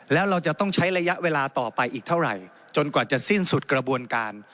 แล้วเราจะต้องใช้ระยะเวลาต่อไปอีกเท่าไหร่จนกว่าจะสิ้นสุดกระบวนการ